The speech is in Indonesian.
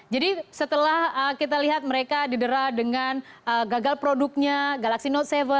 jadi setelah kita lihat mereka didera dengan gagal produknya galaxy note tujuh